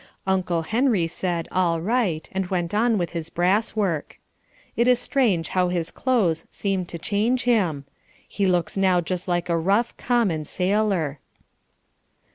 Uncle Henry said all right and went on with his brass work. It is strange how his clothes seem to change him. He looks now just like a rough, common sailor.